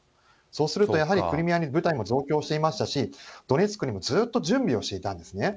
そうすると、やはりクリミアに部隊を増強していましたし、ドネツクにもずーっと準備をしていたんですね。